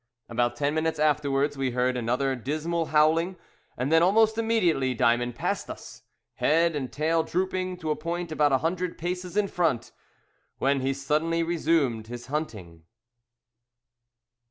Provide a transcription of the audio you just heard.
About ten minutes afterwards we heard another dismal howling, and then almost immediately Diamond passed us, head and tail drooping, to a point about a hundred paces in front, when he suddenly resumed his hunting.